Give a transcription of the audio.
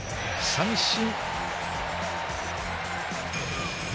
三振！